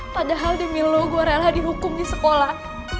padahal demi lu gue rela dihukum di sekolah